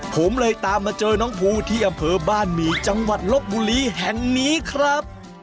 ผมเลยตามมาเจอน้องภูที่อำเภอบ้านหมี่จังหวัดลบบุรีแห่งนี้ครับ